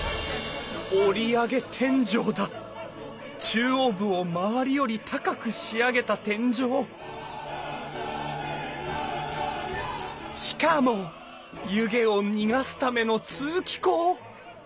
中央部を周りより高く仕上げた天井しかも湯気を逃がすための通気口！